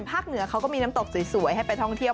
เหนือเขาก็มีน้ำตกสวยให้ไปท่องเที่ยว